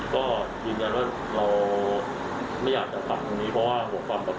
ก็ยืนยันว่าเราไม่อยากจะต่ำตรงนี้